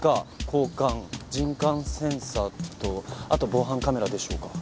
交換人感センサーと後防犯カメラでしょうか？